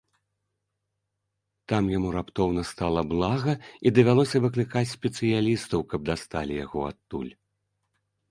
Там яму раптоўна стала блага і давялося выклікаць спецыялістаў, каб дасталі яго адтуль.